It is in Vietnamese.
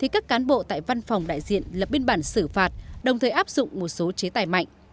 các cán bộ tại văn phòng đại diện lập biên bản xử phạt đồng thời áp dụng một số chế tài mạnh